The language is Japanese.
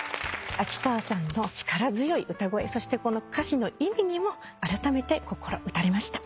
秋川さんの力強い歌声そしてこの歌詞の意味にもあらためて心打たれました。